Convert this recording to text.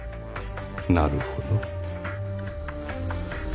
なるほど。